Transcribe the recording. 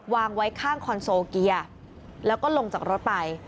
วางไว้ข้างคอนโซเกียร์แล้วก็ลงจากรถไป